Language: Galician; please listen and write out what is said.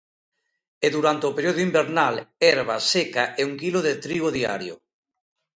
E durante o período invernal, herba seca e un quilo de trigo diario.